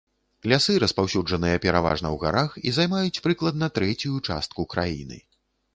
Лясы распаўсюджаныя пераважна ў гарах і займаюць прыкладна трэцюю частку краіны.